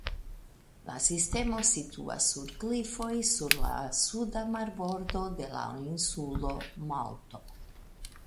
La sistemo situas sur klifoj sur la suda marbordo de la insulo Malto.